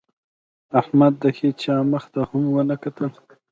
احمد د هېڅا مخ ته هم ونه کتل.